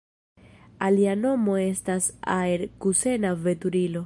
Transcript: Alia nomo estas aer-kusena veturilo.